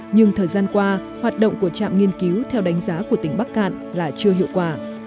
nhưng thời gian qua hoạt động của trạm nghiên cứu theo đánh giá của tỉnh bắc cạn là chưa hiệu quả